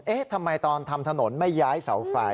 ทำไมตอนทำถนนไม่ย้ายเสาไฟ